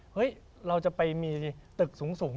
เฮ้ยเราจะไปมีตึกสูง